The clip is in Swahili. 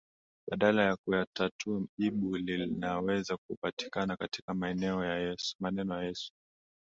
badala ya kuyatatua Jibu linaweza kupatikana katika maneno ya Yesu